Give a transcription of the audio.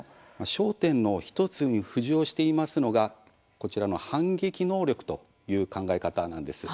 焦点の１つに浮上していますのがこちらの反撃能力という考え方なんです。